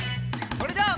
それじゃあ。